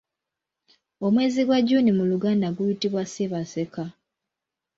Omwezi gwa June mu luganda guyitibwa Ssebaseka.